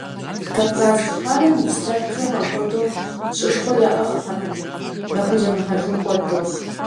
Кавказ Ищхъэрэм ис лъэпкъхэм апхуэдэу щӀышхуэ яӀыгътэкъым, яхуземыхьэжын хуэдэу.